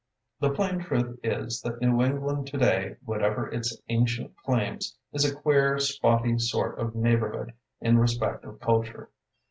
The plain truth is, that New England today, whatever its an cient claims, is a queer, spotty sort of neighborhood in respect of culture.